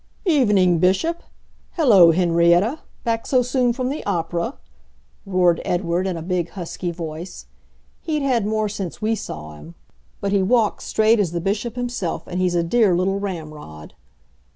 "Evening, Bishop. Hello, Henrietta, back so soon from the opera?" roared Edward, in a big, husky voice. He'd had more since we saw him, but he walked straight as the Bishop himself, and he's a dear little ramrod.